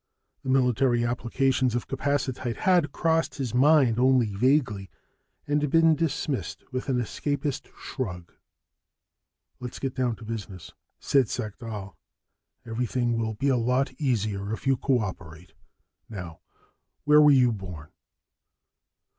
The military applications of capacitite had crossed his mind only vaguely and been dismissed with an escapist shrug. "Let's get down to business," said Sagdahl. "Everything will be a lot easier if you cooperate. Now, where were you born?"